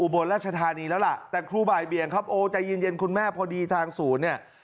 บนราชธานีแล้วล่ะแต่ครูบ่ายเบียงครับโอ้ใจเย็นคุณแม่พอดีทางศูนย์เนี่ย